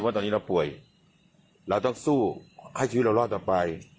เมื่ออีกละพวยเราต้องสู้ให้ชีวิตเรารอดต่อไป